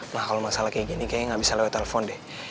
nah kalau masalah kayak gini kayaknya nggak bisa lewat telepon deh